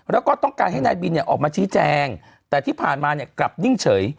แล้วก็ต้องการให้นายบินเนี่ยออกมาชี้แจงแต่ที่ผ่านมาเนี่ยกลับนิ่งเฉย